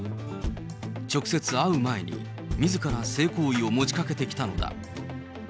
直接会う前に、みずから性行為を持ちかけてきたのだ。